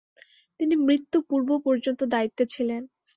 তিনি মৃত্যু-পূর্ব পর্যন্ত দায়িত্বে ছিলেন।